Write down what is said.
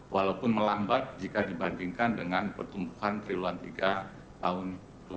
walaupun melambat jika dibandingkan dengan pertumbuhan triwulan tiga tahun dua ribu dua puluh